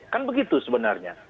kan begitu sebenarnya